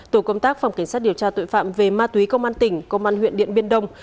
tổ công tác phòng cảnh sát điều tra tội phạm về ma túy công an tỉnh công an huyện điện biên đông